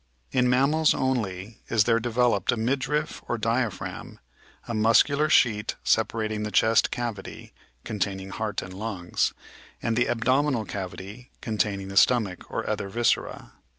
In mammals only is there developed a midriff or diaphragm — a muscular sheet separating the chest cavity ( containing heart and lungs) from the abdominal cavity (containing the stomach and other viscera).